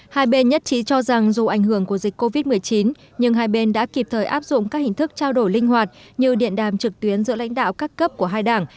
hai bên nhất trí cho rằng dù ảnh hưởng của dịch covid một mươi chín nhưng hai bên đã kịp thời áp dụng các hình thức trao đổi linh hoạt như điện đàm trực tuyến giữa lãnh đạo các cấp của hai đảng